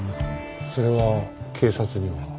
それは警察には？